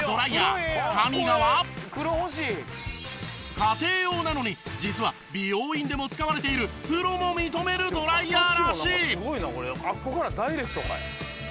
家庭用なのに実は美容院でも使われているプロも認めるドライヤーらしい。